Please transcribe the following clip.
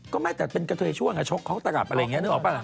ก็ไม่แต่เป็นกระเทยช่วงชกเขาก็ตระดับอะไรอย่างนี้นึกออกปะล่ะ